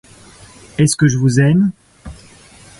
Est-ce que je vous aime ?